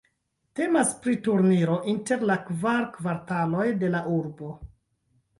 Temas pri turniro inter la kvar kvartaloj de la urbo.